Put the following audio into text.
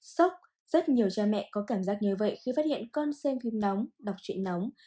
sốc rất nhiều cha mẹ có cảm giác như vậy khi phát hiện con xem phim nóng đọc chuyện nóng